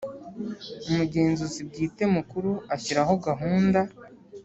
Umugenzuzi Bwite Mukuru ashyiraho gahunda